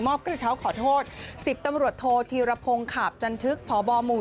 กระเช้าขอโทษ๑๐ตำรวจโทษธีรพงศ์ขาบจันทึกพบหมู่